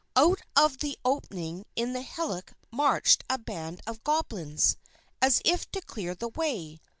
Out of the opening in the hillock marched a band of Goblins, as if to clear the way.